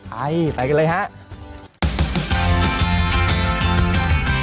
ไปไปกันเลยครับ